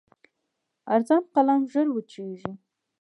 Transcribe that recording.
ارزان قلم ژر وچېږي.